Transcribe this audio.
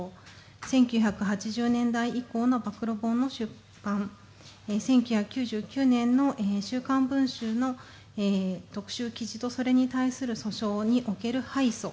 １９８０年代以降の暴露本の出版、１９９０年の「週刊文春」の特集記事とそれに対する訴訟における敗訴